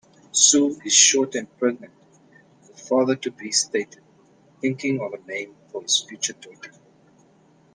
"Sue is short and pregnant", the father-to-be stated, thinking of a name for his future daughter.